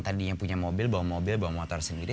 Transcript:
tadinya punya mobil bawa mobil bawa motor sendiri